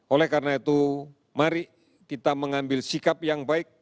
oleh karena itu mari kita mengambil sikap yang baik